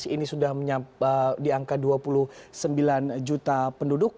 dua ribu dua belas ini sudah di angka dua puluh sembilan juta penduduk